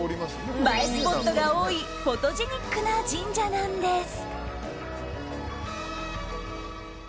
映えスポットが多いフォトジェニックな神社なんです。